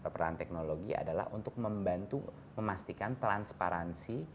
peran teknologi adalah untuk membantu memastikan transparansi